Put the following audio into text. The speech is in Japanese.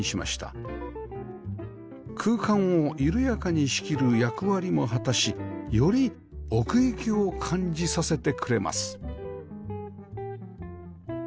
空間を緩やかに仕切る役割も果たしより奥行きを感じさせてくれます